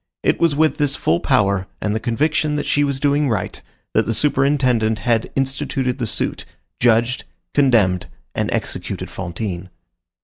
It was with this full power, and the conviction that she was doing right, that the superintendent had instituted the suit, judged, condemned, and executed Fantine.